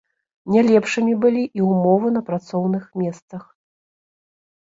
Не лепшымі былі і ўмовы на працоўных месцах.